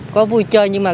có vui chơi nhưng mà